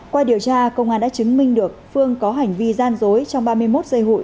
qua điều tra công an đã chứng minh được phương có hành vi gian dối trong ba mươi một giây hụi